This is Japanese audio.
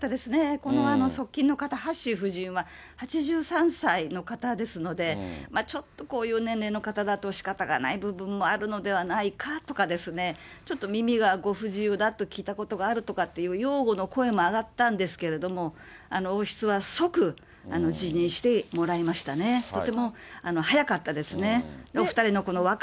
この側近の方、ハッシー夫人は８３歳の方ですので、ちょっとこういう年齢の方だとしかたがない部分もあるのではないかですとかね、ちょっと耳がご不自由だと聞いたことがあるとかっていう擁護の声も上がったんですけど、王室は即辞任してもらいましたね、とても早かったですね。